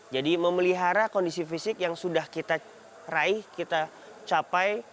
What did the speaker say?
jadi memelihara kondisi fisik yang sudah kita raih kita capai